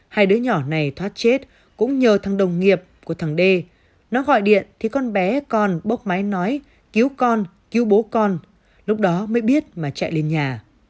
hai đứa nhỏ này thoát chết cũng nhờ thằng đồng nghiệp của thằng d nó gọi điện thì con bé con bốc máy nói cứu con cứu bố con lúc đó mới biết mà chạy lên nhà